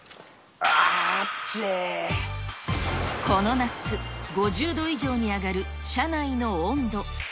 この夏、５０度以上に上がる車内の温度。